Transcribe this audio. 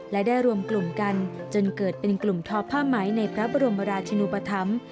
และได้รวมกลุ่มกันจนเกิดเป็นกลุ่มทอผ้าไหมในพระบรมราชนุปธรรม